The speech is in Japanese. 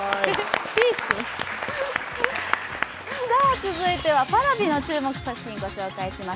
続いてはＰａｒａｖｉの注目作品をご紹介します。